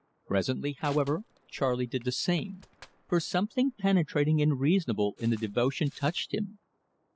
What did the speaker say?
Presently, however, Charley did the same; for something penetrating and reasonable in the devotion touched him.